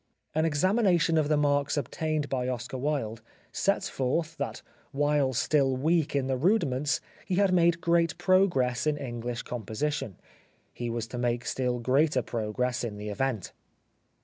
An examination of the marks obtained by Oscar Wilde sets forth that while still weak in the rudiments he had made great progress in English composition. He was to make still greater pro gress in the event.